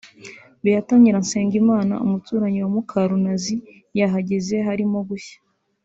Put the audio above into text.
Beatha Nyiransengimana umuturanyi wa Mukarunazi yahageze harimo gushya